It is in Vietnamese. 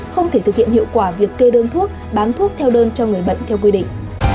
không thể thực hiện hiệu quả việc kê đơn thuốc bán thuốc theo đơn cho người bệnh theo quy định